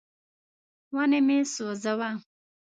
ونې مه سوځوه.